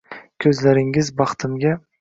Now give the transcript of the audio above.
Ko‘zlaringiz baxtimga